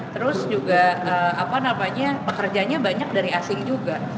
terus juga pekerjanya banyak dari asing juga